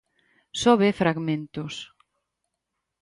Só ve fragmentos.